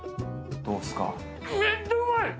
どうですか？